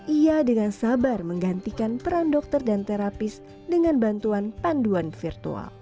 ia dengan sabar menggantikan peran dokter dan terapis dengan bantuan panduan virtual